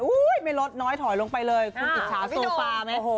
อุ้ยไม่ลดน้อยถอยลงไปเลยคุณอิจชาสูฟาไหมโอ้โห